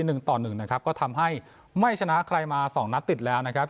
หนึ่งต่อหนึ่งนะครับก็ทำให้ไม่ชนะใครมาสองนัดติดแล้วนะครับ